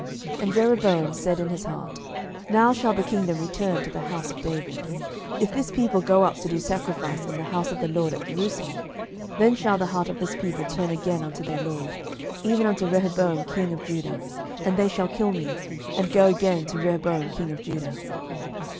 11:012:026 And Jeroboam said in his heart, Now shall the kingdom return to the house of David: 11:012:027 If this people go up to do sacrifice in the house of the LORD at Jerusalem, then shall the heart of this people turn again unto their lord, even unto Rehoboam king of Judah, and they shall kill me, and go again to Rehoboam king of Judah.